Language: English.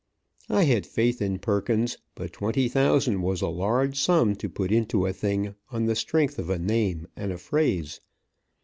I had faith in Perkins, but twenty thousand was a large sum to put into a thing on the strength of a name and a phrase.